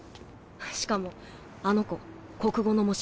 しかもあの子国語の模試